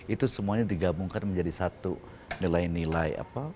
itu semuanya digabungkan menjadi satu nilai nilai